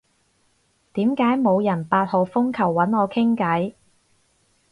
點解冇人八號風球搵我傾偈？